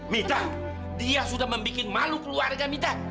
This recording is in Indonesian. mita dia sudah membuat malu keluarga mita